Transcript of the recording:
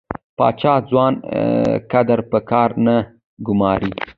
پاچا ځوان کدر په کار نه ګماري .